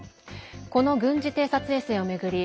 この軍事偵察衛星を巡り